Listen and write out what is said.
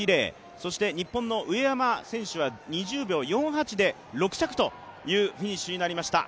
日本の上山選手は２０秒４８で６着というフィニッシュになりました。